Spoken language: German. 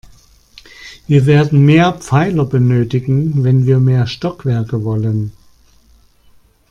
Wir werden mehr Pfeiler benötigen, wenn wir mehr Stockwerke wollen.